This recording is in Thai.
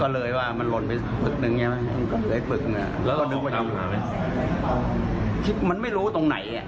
เพราะมันระหว่างทางขับมาแบงค์มันไม่รู้ไปไหน